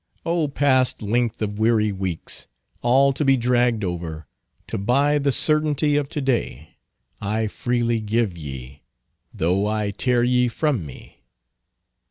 Oh, past length of weary weeks—all to be dragged over—to buy the certainty of to day, I freely give ye, though I tear ye from me!"